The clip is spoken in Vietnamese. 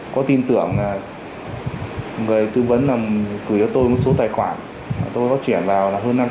có tin tưởng là người tư vấn gửi cho tôi một số tài khoản tôi có chuyển vào hơn năm trăm linh đồng